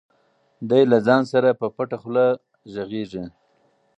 دی له ځان سره په پټه خوله غږېږي.